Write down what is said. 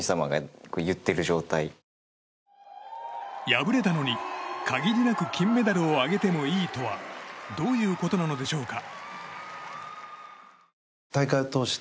敗れたのに、限りなく金メダルをあげてもいいとはどういうことなのでしょうか？